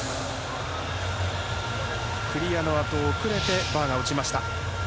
クリアのあと遅れてバーが落ちました。